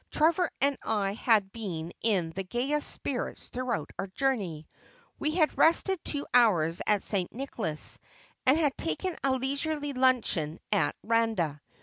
Trevor and I had been in the gayest spirits throughout our journey. We had rested two hours at St. Nicolas, and had taken a leisurely luncheon at Randa.